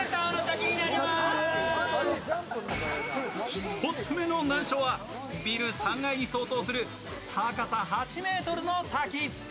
１つ目の難所はビル３階に相当する高さ８ｍの滝。